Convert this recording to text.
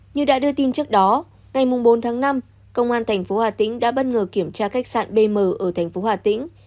như đã đưa tin trước đó ngày bốn tháng năm công an tp hà tĩnh đã bất ngờ kiểm tra cách sạn bm ở tp hà tĩnh